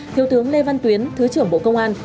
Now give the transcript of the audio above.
thiếu tướng lê văn tuyến thứ trưởng bộ công an